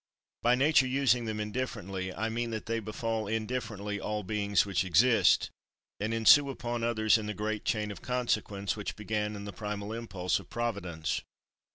By Nature using them indifferently, I mean that they befall indifferently all beings which exist, and ensue upon others in the great chain of consequence which began in the primal impulse of Providence.